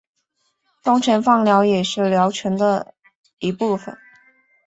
通常放疗也是疗程的一部分。